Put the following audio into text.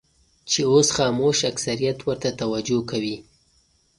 چې اوس خاموش اکثریت ورته توجه کوي.